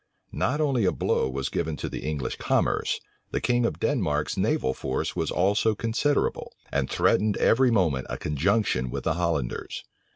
Not only a blow was given to the English commerce; the king of Denmark's naval force was also considerable, and threatened every moment a conjunction with the Hollanders.